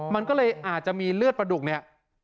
มันก็เลยอาจจะมีเลือดประดุกเนี่ย